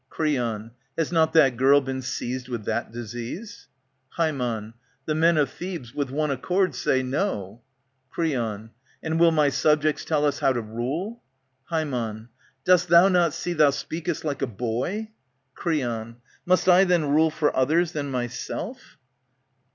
Creon, Has not that girl been seized with that disease ? Ham, The men of Thebes with one accord say, No. Creon. .'^^jm\\jmL^^^^}^]QZ^^.Q^ to ru 1 e I Ham, Dost thou not see thou speakest like a boy ? *Creon, Must I then rule for others than myself?